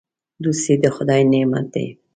دوستي د خدای نعمت دی.